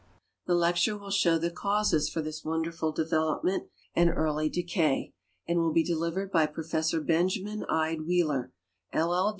The lecture will show the causes for this wonderful development and early decay, and will be delivered by Prof. Benjainin Ide Wheeler, LL.